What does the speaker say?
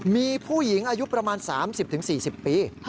มีผู้หญิงอายุประมาณ๓๐๔๐ปี